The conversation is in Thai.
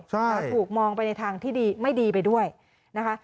ใช่ถูกมองไปในทางที่ดีไม่ดีไปด้วยนะคะ